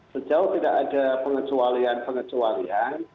sejauh tidak ada pengecualian pengecualian